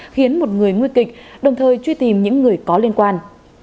khiến một người nguy kịch đồng thời truy tìm những người có liên quan